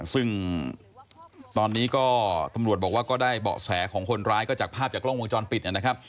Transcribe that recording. ซึ่งตอนนี้ก็ตำรวจบอกว่าก็ได้เบาะแสของคนร้ายก็จากภาพจากกล้องวงจรปิดนะครับ